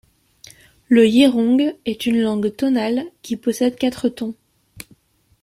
Le yerong est une langue tonale, qui possède quatre tons.